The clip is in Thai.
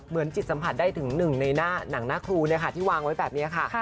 จิตสัมผัสได้ถึงหนึ่งในหนังหน้าครูที่วางไว้แบบนี้ค่ะ